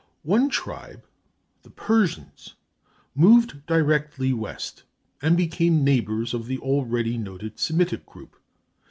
One tribe, the Persians, moved directly west, and became neighbors of the already noted Semitic group.